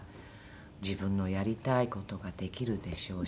自分のやりたい事ができるでしょうし。